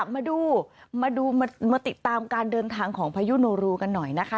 มาดูมาติดตามการเดินทางของพายุโนรูกันหน่อยนะคะ